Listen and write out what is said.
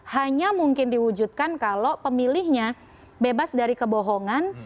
hanya mungkin diwujudkan kalau pemilihnya bebas dari kebohongan